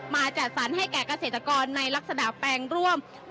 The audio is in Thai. จัดสรรให้แก่เกษตรกรในลักษณะแปลงร่วม